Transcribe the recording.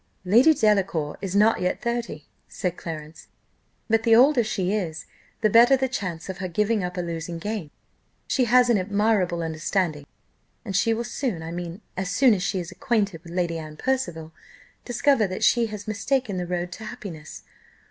"Lady Delacour is not yet thirty," said Clarence; "but the older she is, the better the chance of her giving up a losing game. She has an admirable understanding, and she will soon I mean as soon as she is acquainted with Lady Anne Percival discover that she has mistaken the road to happiness.